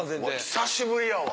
久しぶりやわ。